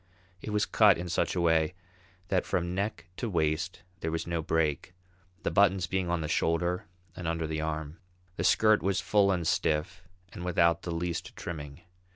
It was cut in such a way that from neck to waist there was no break, the buttons being on the shoulder and under the arm. The skirt was full and stiff, and without the least trimming.